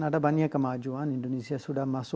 ada banyak kemajuan indonesia sudah masuk